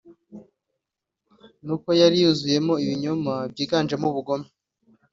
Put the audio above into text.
ni uko yari yuzuyemo ibinyoma byiganjemo ubugome